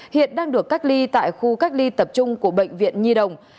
hiện đang được cách ly tại khu cách ly tập trung của bệnh viện nhi đồng